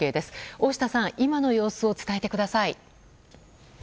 大下さん、今の様子を伝えてください。